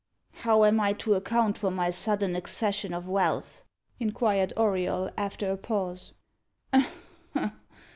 "How am I to account for my sudden accession of wealth?" inquired Auriol, after a pause.